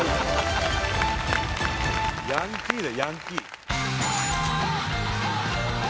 ヤンキーだよヤンキー。